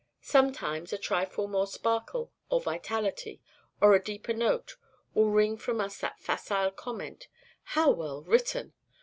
Sometimes a trifle more sparkle or vitality, or a deeper note, will wring from us that facile comment, "How well written!"